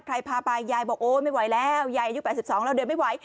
ใครพาไปยายบอกโอ้ยไม่ไหวแล้วยายอายุแปดสิบสองแล้วเดินไม่ไหว